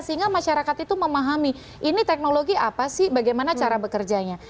sehingga masyarakat itu memahami ini teknologi apa sih bagaimana cara bekerjanya